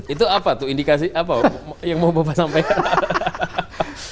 itu apa tuh indikasi apa yang mau bapak sampaikan